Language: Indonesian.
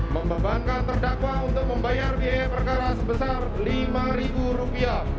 membebankan terdakwa untuk membayar biaya perkara sebesar rp lima